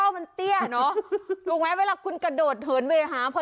มาจังหวะลงมา